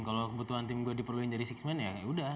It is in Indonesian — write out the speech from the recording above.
kalau kebutuhan tim gua diperluin jadi six man ya udah